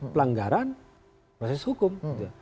pelanggaran proses hukum